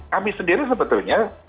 kami sendiri sebetulnya